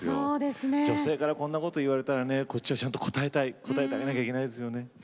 女性からこんなこと言われたらこっちは、ちゃんと応えてあげなきゃいけないですね。